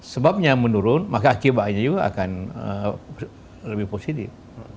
sebabnya menurun maka akibatnya juga akan lebih positif